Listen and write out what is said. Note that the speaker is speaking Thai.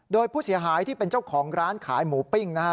โดยผู้เสียหายที่เป็นเจ้าของร้านขายหมูปิ้งนะฮะ